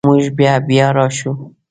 موږ به بیا راشو